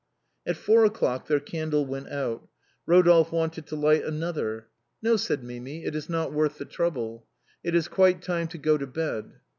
At four o'clock their candle went out. Eodolphe wanted to light another. " No," said Mimi, " it is not worth the trouble. It is quite time to go to bed."